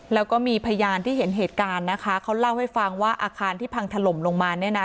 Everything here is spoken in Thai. แล้วก็มีพยานที่เห็นเหตุการณ์นะคะเขาเล่าให้ฟังว่าอาคารที่พังถล่มลงมาเนี่ยนะ